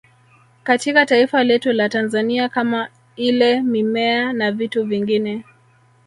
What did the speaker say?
Katika taifa letu la Tanzania kama ile mimea na vitu vingine